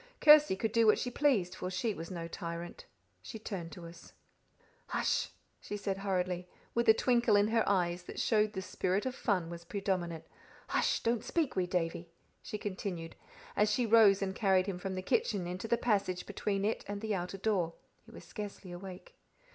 Kirsty could do what she pleased, for she was no tyrant. She turned to us. "Hush!" she said, hurriedly, with a twinkle in her eyes that showed the spirit of fun was predominant "Hush! Don't speak, wee Davie," she continued, as she rose and carried him from the kitchen into the passage between it and the outer door. He was scarcely awake.